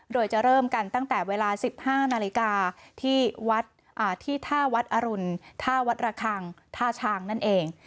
โดยจะเริ่มกันตั้งแต่เวลา๑๕นาฬิกาที่ท่าวัดอรุณท่าวัดระคังท่าช้างนั่นเอง